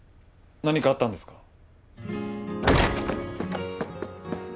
何かあったんですか？